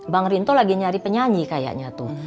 bang rinto lagi nyari penyanyi kayaknya tuh